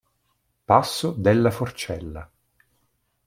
Passo della Forcella